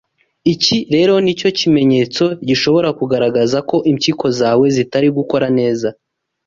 Iki rero nacyo ni ikimenyetso gishobora kugaragaza ko impyiko zawe zitari gukora neza